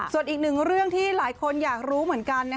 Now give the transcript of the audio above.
ส่วนอีกหนึ่งเรื่องที่หลายคนอยากรู้เหมือนกัน